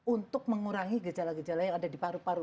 untuk mengurangi gejala gejala yang ada di paru paru